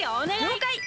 りょうかい！